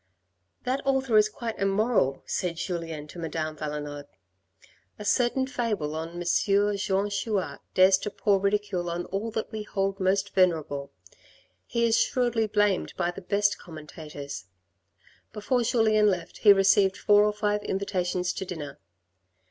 " That author is quite immoral," said Julien to Madame Valenod. A certain fable on Messire Jean Chouart dares to pour ridicule on all that we hold most venerable. He is shrewdly blamed by the best commentators. Before Julien left he received four or five invitations to dinner.